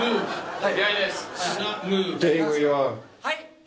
はい？